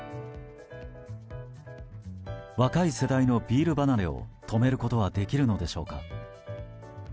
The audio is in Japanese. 若い世代のビール離れを止めることはできるのでしょうか。